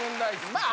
まあ。